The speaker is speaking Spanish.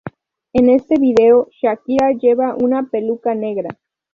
En este vídeo, Shakira Lleva una peluca negra.